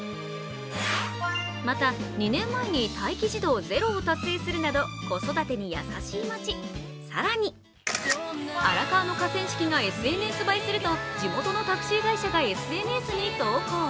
また、２年前に待機児童ゼロを達成するなど子育てに優しい街、更に荒川の河川敷がＳＮＳ映えすると地元のタクシー会社がＳＮＳに投稿。